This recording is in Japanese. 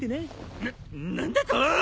な何だと！？